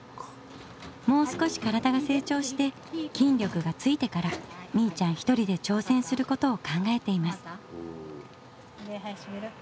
もう少し体が成長して筋力がついてからみいちゃんひとりで挑戦することを考えています。